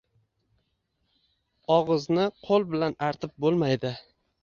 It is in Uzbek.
Og‘izni qo‘l bilan artib bo‘lmaydi.